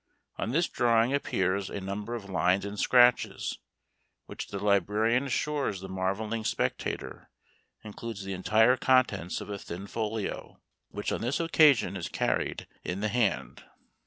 On this drawing appears a number of lines and scratches, which the librarian assures the marvelling spectator includes the entire contents of a thin folio, which on this occasion is carried in the hand.